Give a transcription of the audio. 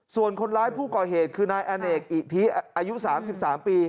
ส่วนคนร้ายผู้ก่อเหตุคือนายอเนกอิทิอายุ๓๓ปี